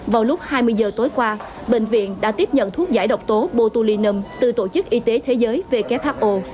vào lúc hai mươi giờ tối qua bệnh viện đã tiếp nhận thuốc giải độc tố botulinum từ tổ chức y tế thế giới who